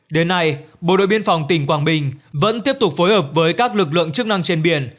đến nay bộ đội biên phòng tỉnh quảng bình vẫn tiếp tục phối hợp với các lực lượng chức năng trên biển